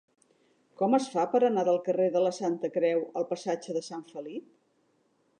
Com es fa per anar del carrer de la Santa Creu al passatge de Sant Felip?